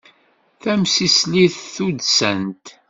Tamsislit tuddsant.